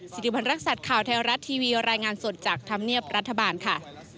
สิริวัณรักษัตริย์ข่าวไทยรัฐทีวีรายงานสดจากธรรมเนียบรัฐบาลค่ะ